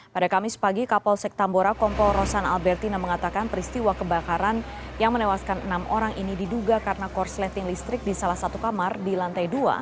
pada kamis pagi kapolsek tambora kompol rosan albertina mengatakan peristiwa kebakaran yang menewaskan enam orang ini diduga karena korsleting listrik di salah satu kamar di lantai dua